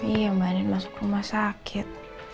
iya mbak dan masuk rumah sakit